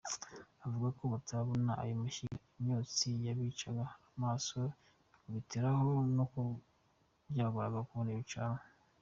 Avuga ko batarabona ayo mashyiga, imyotsi yabicaga amaso bigakubitiraho n’uko byabagoraga kubona ibicanwa.